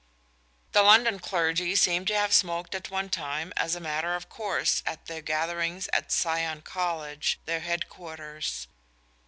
The London clergy seem to have smoked at one time as a matter of course at their gatherings at Sion College, their headquarters.